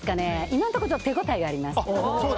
今のところ、手応えがあります。